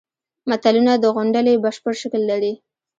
متلونه د غونډلې بشپړ شکل لري